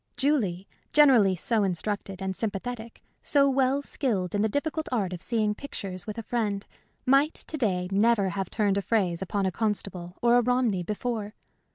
Julie, generally so instructed and sympathetic, so well skilled in the difficult art of seeing pictures with a friend, might, to day, never have turned a phrase upon a Constable or a Romney before.